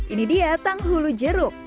ini dia tanghulu jeruk